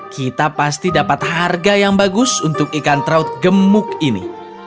kita pasti dapat harga yang bagus untuk ikan traut gemuk ini